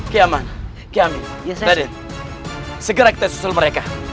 ki aman ki amin raden segera kita susul mereka